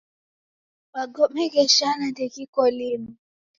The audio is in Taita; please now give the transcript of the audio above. Magome gheshana ndeghiko linu.